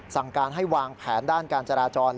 สั่งการให้วางแผนด้านการจราจร